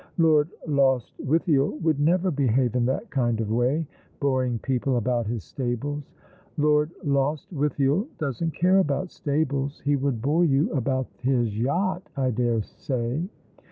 "Lord Lostwithiel would never behave in that kind of way — boring people about his stables." " Lord Lostwithiel doesn't care about stables — he would bore you about his yacht, I dare say."